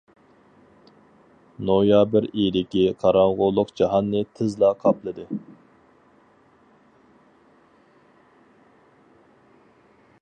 نويابىر ئېيىدىكى قاراڭغۇلۇق جاھاننى تېزلا قاپلىدى.